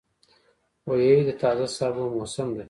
غویی د تازه سابو موسم دی.